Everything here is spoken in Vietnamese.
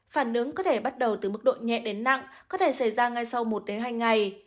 phản ứng có thể bắt đầu từ mức độ nhẹ đến nặng có thể xảy ra ngay sau một hai ngày